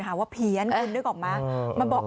ตุนตุนตุน